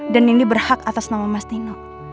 dan nindi berhak atas nama mas nino